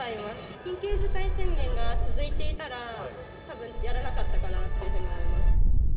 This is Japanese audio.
緊急事態宣言が続いていたら、たぶんやらなかったかなっていうふうに思います。